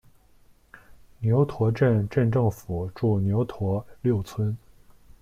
牛驼镇镇政府驻牛驼六村。